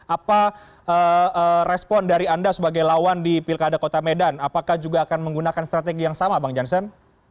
apa respon dari anda sebagai lawan di pilkada kota medan apakah juga akan menggunakan strategi yang sama bang jansen